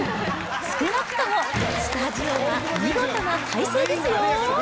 少なくともスタジオは見事な快晴ですよ。